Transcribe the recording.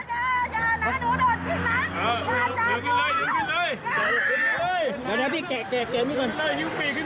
เดี๋ยวเนี่ยพี่แกะอีกหนึ่งเว้น